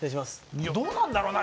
いやどうなんだろうな？